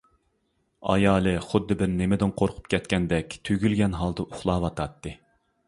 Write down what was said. ئايالى خۇددى بىر نېمىدىن قورقۇپ كەتكەندەك تۈگۈلگەن ھالدا ئۇخلاۋاتاتتى.